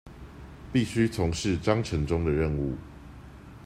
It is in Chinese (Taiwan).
必須從事章程中的任務